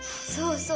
そう！